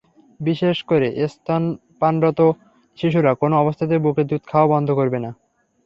বিশেষ করে স্তন্যপানরত শিশুরা কোনো অবস্থাতেই বুকের দুধ খাওয়া বন্ধ করবে না।